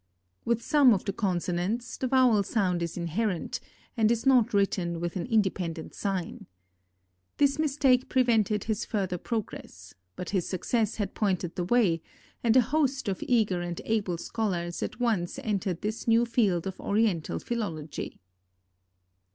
With some of the consonants, the vowel sound is inherent and is not written with an independent sign. This mistake prevented his further progress; but his success had pointed the way, and a host of eager and able scholars at once entered this new field of oriental philology.